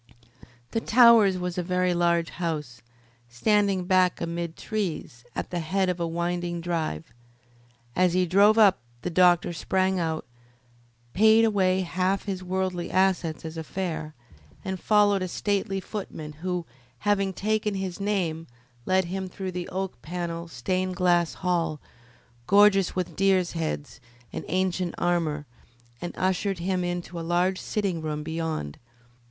The Towers was a very large house, standing back amid trees, at the head of a winding drive. As he drove up the doctor sprang out, paid away half his worldly assets as a fare, and followed a stately footman who, having taken his name, led him through the oak panelled, stained glass hall, gorgeous with deers' heads and ancient armour, and ushered him into a large sitting room beyond.